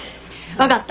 分かった。